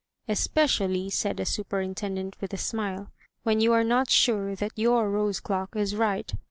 ''Especially," said the superintendent, with a smile, "when you are not sure that your rose clock is right.